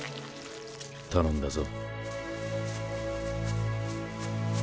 頼んだぞ。